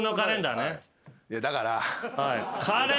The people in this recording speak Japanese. いやだから。